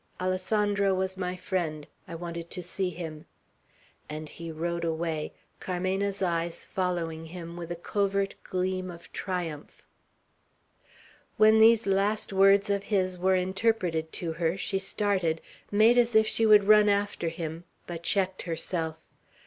"Alessandro was my friend. I wanted to see him;" and he rode away, Carmena's eyes following him with a covert gleam of triumph. When these last words of his were interpreted to her, she started, made as if she would run after him, but checked herself.